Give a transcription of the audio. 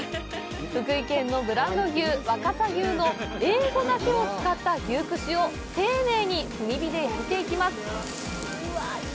福井県のブランド牛、若狭牛のＡ５だけを使った牛串を丁寧に炭火で焼いていきます。